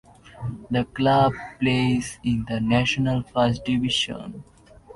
The club plays in the National First Division.